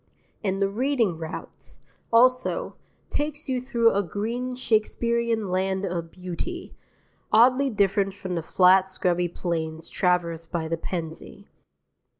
And the Reading route, also, takes you through a green Shakespearean land of beauty, oddly different from the flat scrubby plains traversed by the Pennsy.